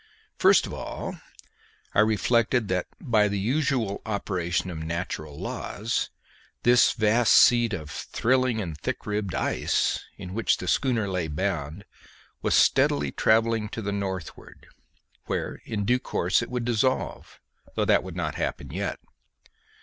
First of all I reflected that by the usual operation of natural laws this vast seat of "thrilling and thick ribbed ice" in which the schooner lay bound was steadily travelling to the northward, where in due course it would dissolve, though that would not happen yet.